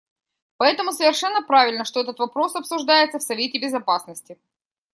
Поэтому совершенно правильно, что этот вопрос обсуждается в Совете Безопасности.